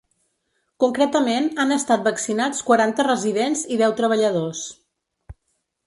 Concretament han estat vaccinats quaranta residents i deu treballadors.